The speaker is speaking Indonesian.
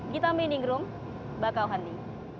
kita meeting room bakauhani